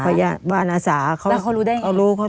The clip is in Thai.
พยาบาลอาสาเขารู้เขาโทร